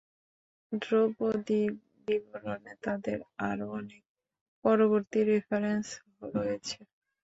ধ্রুপদী বিবরণে তাদের আরও অনেক পরবর্তী রেফারেন্স রয়েছে।